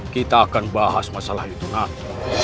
kita akan bahas masalah itu nanti